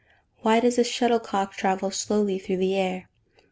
_Why does a shuttlecock travel slowly through the air?